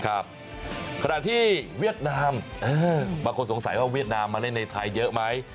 ขณะที่เวียดนามบางคนสงสัยว่าเวียดนามมาเล่นในไทยเยอะไหม